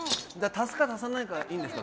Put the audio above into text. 足すか足さないかいいんですか？